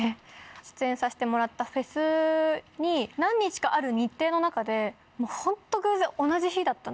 出演させてもらったフェスに何日かある日程の中でもうホント偶然同じ日だったんですよ。